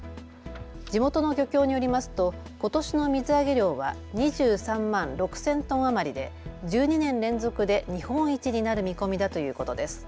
地元の漁協によりますとことしの水揚げ量は２３万６０００トン余りで１２年連続で日本一になる見込みだということです。